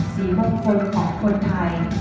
สีห้มขนของคนไทย